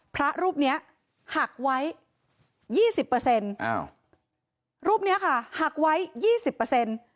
พระรูปเนี้ยหักไว้ยี่สิบเปอร์เซ็นต์อ้าวรูปเนี้ยค่ะหักไว้ยี่สิบเปอร์เซ็นต์